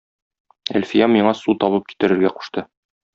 Әлфия миңа су табып китерергә кушты.